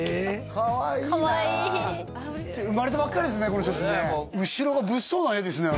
かわいい生まれたばっかりですね